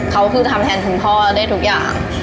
เขาคือทำแทนคุณพ่อได้ทุกอย่าง